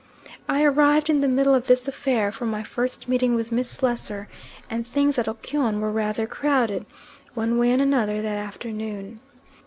I arrived in the middle of this affair for my first meeting with Miss Slessor, and things at Okyon were rather crowded, one way and another, that afternoon.